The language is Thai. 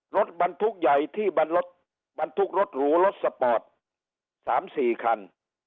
รถบรรทุกใหญ่ที่บรรทุกรถหรูรถสปอร์ต๓๔คัน